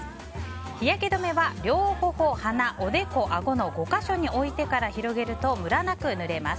日焼け止めは両頬、鼻、おでこ、あごの５か所に置いてから広げるとムラなく塗れます。